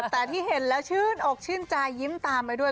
แต่ที่เห็นแล้วชื่นอกชื่นใจยิ้มตามไปด้วย